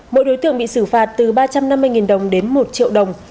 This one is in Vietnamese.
mỗi đối tượng bị xử phạt từ ba trăm năm mươi đồng đến một triệu đồng